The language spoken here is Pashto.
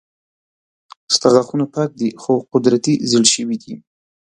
ستا غاښونه پاک دي خو قدرتي زيړ شوي دي